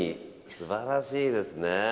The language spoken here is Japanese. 素晴らしいですね。